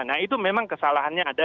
nah itu memang kesalahannya ada